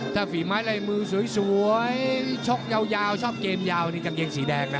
ถ้าฝีไม้ลายมือสวยชกยาวชอบเกมยาวนี่กางเกงสีแดงนะ